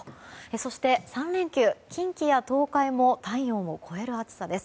そして、３連休、近畿や東海でも体温を超える暑さです。